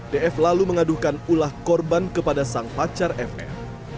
df lalu mengadukan ulah korban kepada sang pacar fn